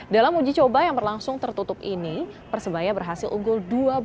dalam uji coba yang berlangsung tertutup ini persebaya berhasil unggul dua belas